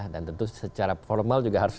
dan tentu secara formal juga harus